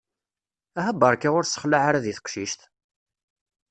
Aha barka ur ssexlaɛ ara di teqcict!